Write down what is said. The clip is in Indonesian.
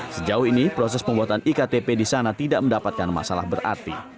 sejauh ini proses pembuatan iktp di sana tidak mendapatkan masalah berarti